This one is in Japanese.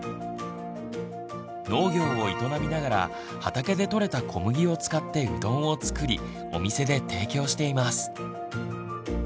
農業を営みながら畑でとれた小麦を使ってうどんを作りお店で提供しています。